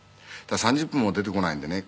「３０分も出てこないんでね